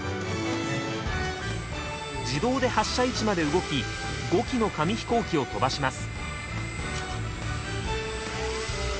自動で発射位置まで動き５機の紙飛行機を飛ばします。